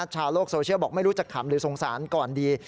ชาวโลกโซเชียลบอกไม่รู้จะขำหรือสงสารก่อนดี